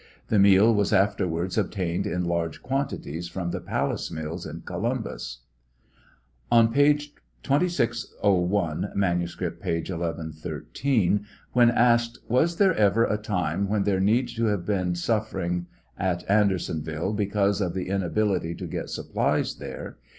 The meal was after wards obtained in large quantities from the Palace mills, in Columbus. On page 2601, (manuscript, p. 1113,) when asked, "Was there ever a time when there need to have been suffering at Andersouille because of the inability to get supplies there?"